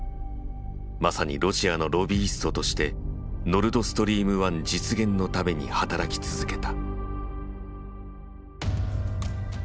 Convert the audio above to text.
まさにロシアのロビイストとしてノルドストリーム１実現のために働き続けた。